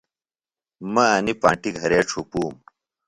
مہ انیۡ پانٹیۡ گھرے ڇھُپوم۔